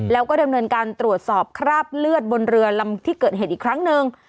แล้วก็ดำเนินการตรวจสอบคราบเลือดบนเรือลำที่เกิดเหตุอีกครั้งหนึ่ง